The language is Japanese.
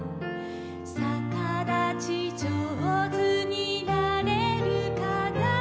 「さかだちじょうずになれるかな」